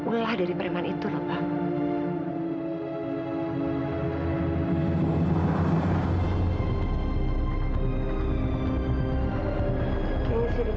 ulang dari priman itu lho pak